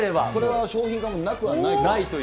商品化もなくはないと？